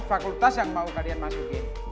fakultas yang mau kalian masukin